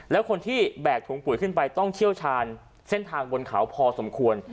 แล้วคนที่แบกถุงปุ๋ยขึ้นไปต้องเชี่ยวชาญเส้นทางบนเขาพอสมควร